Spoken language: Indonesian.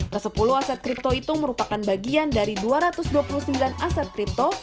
ke sepuluh aset kripto itu merupakan bagian dari dua ratus dua puluh sembilan aset kripto